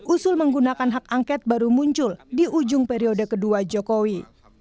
usul menggunakan hak angket baru muncul di ujung periode kedua jokowi